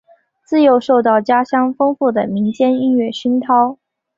自幼受到家乡丰富的民间音乐熏陶。